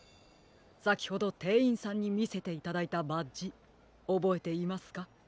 さきほどてんいんさんにみせていただいたバッジおぼえていますか？